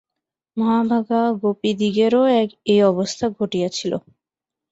মহাভাগা গোপীদিগেরও এই অবস্থা ঘটিয়াছিল।